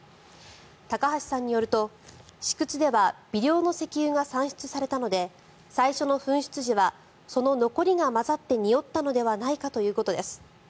高橋さんによると、試掘では微量の石油が産出されたので最初の噴出時はその残りが混ざってにおったのではないかということです。